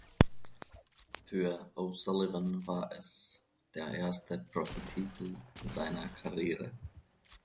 Für O’Sullivan war es der erste Profititel seiner Karriere.